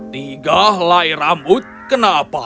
tiga helai rambut kenapa